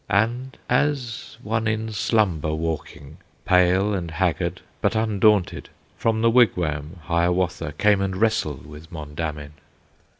And as one in slumber walking, Pale and haggard, but undaunted, From the wigwam Hiawatha Came and wrestled with Mondamin.